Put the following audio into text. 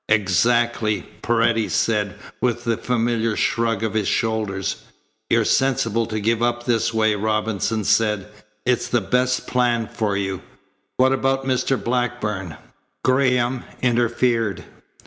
"Exactly," Paredes said, with the familiar shrug of his shoulders. "You're sensible to give up this way," Robinson said. "It's the best plan for you. What about Mr. Blackburn?" Graham interfered.